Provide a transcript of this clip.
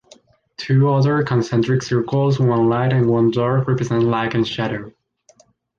Two other concentric circles, one light and one dark, represent light and shadow.